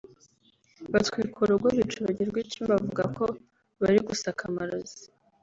batwika urugo bica urugi rw’icyumba bavuga ko bari gusaka amarozi